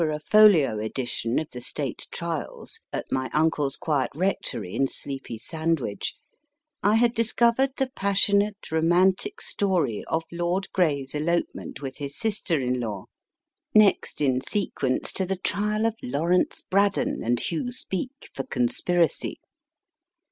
BRADDON 115 folio edition of the State Trials at my uncle s quiet rectory in sleepy Sandwich, I had discovered the passionate romantic story of Lord Grey s elopement with his sister in law, next in sequence to the trial of Lawrence Braddon and Hugh Speke for conspiracy.